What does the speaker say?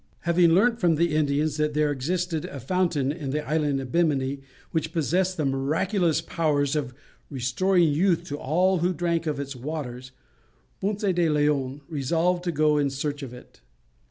Having learnt from the Indians that there existed a fountain in the island of Bimini which possessed the miraculous power of restoring youth to all who drank of its waters, Ponce de Leon resolved to go in search of it.